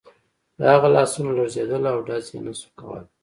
د هغه لاسونه لړزېدل او ډز یې نه شو کولای